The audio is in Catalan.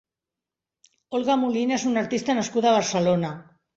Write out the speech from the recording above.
Olga Molina és una artista nascuda a Barcelona.